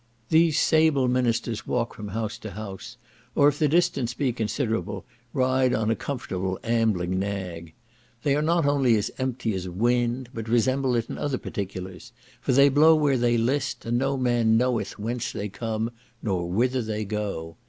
These sable ministers walk from house to house, or if the distance be considerable, ride on a comfortable ambling nag. They are not only as empty as wind, but resemble it in other particulars; for they blow where they list, and no man knoweth whence they come, nor whither they go.